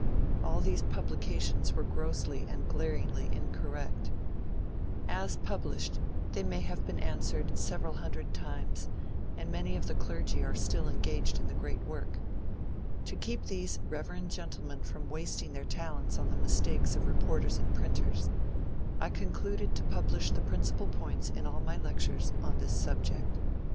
All these publications were grossly and glaringly incorrect. As published, they have been answered several hundred times, and many of the clergy are still engaged in the great work. To keep these reverend gentlemen from wasting their talents on the mistakes of reporters and printers, I concluded to publish the principal points in all my lectures on this subject.